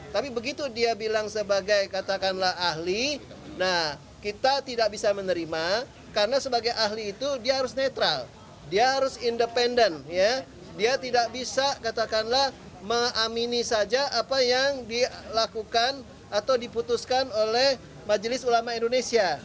dia tidak bisa katakanlah mengamini saja apa yang dilakukan atau diputuskan oleh majelis ulama indonesia